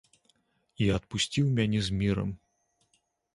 І адпусціў мяне з мірам.